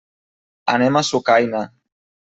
Anem a Sucaina.